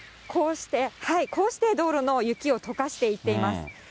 こうして道路の雪をとかしていっています。